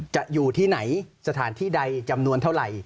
อยู่ที่ไหนสถานที่ใดจำนวนเท่าไหร่